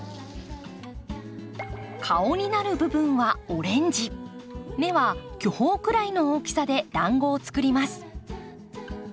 顔になる部分はオレンジ目は巨峰くらいの大きさでだんごを作ります。